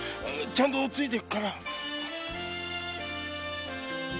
ちゃんとついていくから。